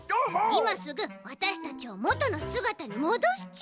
いますぐわたしたちをもとのすがたにもどすち！